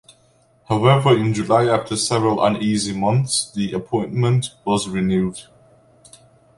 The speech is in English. However, in July after several uneasy months the appointment was renewed.